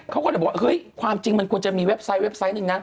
เขาก็จะบอกความจริงมันควรจะมีเว็บไซต์